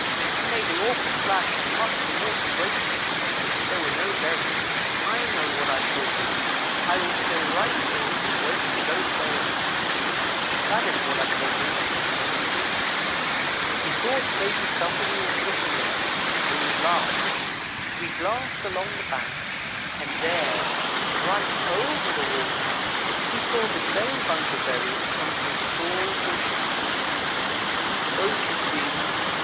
He made an awful splash and mussed the water greatly; but there were no berries. "'I know what I shall do. I will stay right here and wait for those berries; that is what I shall do'; and he did. "He thought maybe somebody was looking at him and would laugh, so he glanced along the bank. And there, right over the water, he saw the same bunch of berries on some tall bushes. Don't you see?